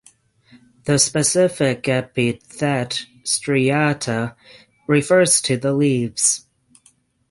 The specific epithet ("striata") refers to the leaves.